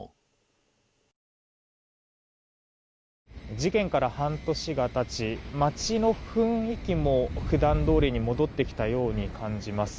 事件から半年が経ち街の雰囲気も普段どおりに戻ってきたように感じます。